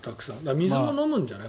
水も飲むんじゃない？